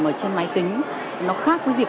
ở trên máy tính nó khác với việc